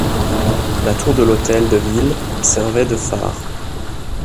La tour de l'hôtel de ville servait de phare.